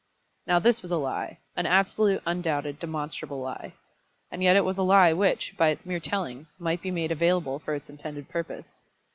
Now this was a lie; an absolute, undoubted, demonstrable lie. And yet it was a lie which, by its mere telling, might be made available for its intended purpose.